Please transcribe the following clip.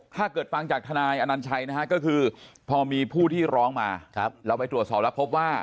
ถ้าเกิดฟังจากทนายอนัญชัยนะฮะก็คือพอมีผู้ที่ร้องมาเราไปตรวจสอบแล้วพบว่า